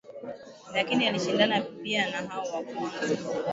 lakini alishindana pia na hao wa kwanza